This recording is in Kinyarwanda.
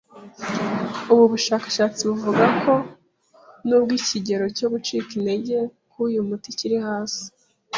Ubu bushakashatsi buvuga ko nubwo ikigero cyo gucika intege k'uyu muti kikiri hasi